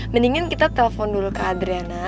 mendingan kita telpon dulu ke adriana